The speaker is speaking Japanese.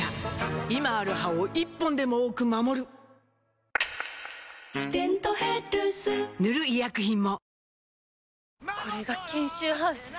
今ある歯を１本でも多く守る「デントヘルス」塗る医薬品も